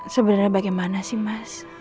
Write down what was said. sebenernya bagaimana sih mas